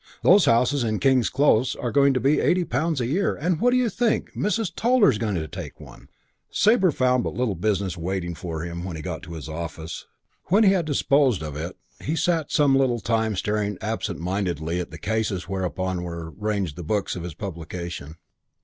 "Those houses in King's Close are going to be eighty pounds a year, and what do you think, Mrs. Toller is going to take one!"... CHAPTER II I Sabre found but little business awaiting him when he got to his office. When he had disposed of it he sat some little time staring absent mindedly at the cases whereon were ranged the books of his publication.